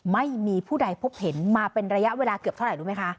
ไม่มีผู้ใดพบเห็นมาเป็นระยะเวลาเกือบเท่าไหร่รู้ไหมคะ